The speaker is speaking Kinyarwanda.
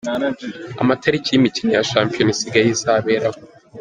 Amatariki imikino ya shampiyona isigaye izaberaho.